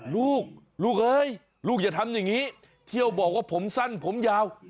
ลูกลูกเอ้ยลูกอย่าทำอย่างนี้เที่ยวบอกว่าผมสั้นผมยาว